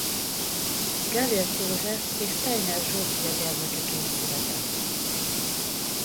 Gellért József és Steiner Zsófia gyermekeként született.